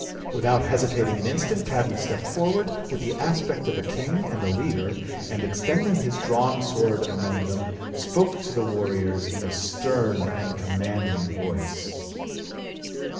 Without hesitating an instant, Cadmus stepped forward, with the aspect of a king and a leader, and extending his drawn sword amongst them, spoke to the warriors in a stern and commanding voice.